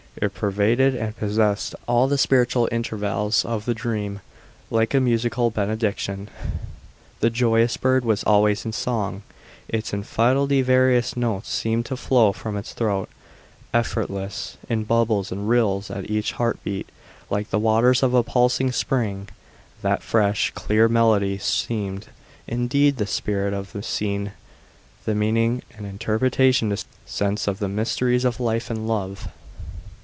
It pervaded and possessed all the spiritual intervals of the dream, like a musical benediction. The joyous bird was always in song; its infinitely various notes seemed to flow from its throat, effortless, in bubbles and rills at each heart beat, like the waters of a pulsing spring. That fresh, clear melody seemed, indeed, the spirit of the scene, the meaning and interpretation to sense of the mysteries of life and love.